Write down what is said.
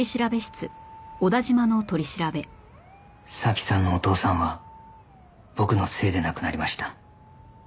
早紀さんのお父さんは僕のせいで亡くなりました。